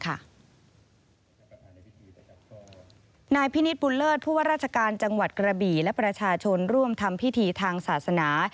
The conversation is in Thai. นายพินิศบุญเลิศผู้ว่าราชการจังหวัดกระบี่และประชาชนร่วมทำพิธีทางศาสนา